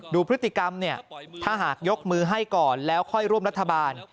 ดูพฤติกรรมเนี่ยถ้าหากยกมือให้ก่อนแล้วค่อยร่วมรัฐบาล